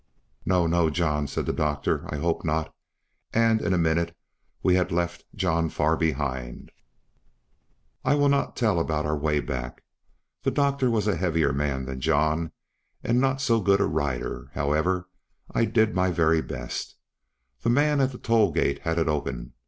"No, no, John," said the doctor, "I hope not," and in a minute we had left John far behind. I will not tell about our way back. The doctor was a heavier man than John, and not so good a rider; however, I did my very best. The man at the toll gate had it open.